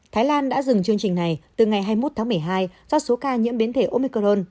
thái lan đã dừng chương trình này từ ngày hai mươi một tháng một mươi hai do số ca nhiễm biến thể omicron